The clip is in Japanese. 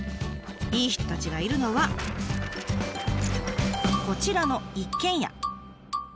いい人たちがいるのはこちらの一軒家。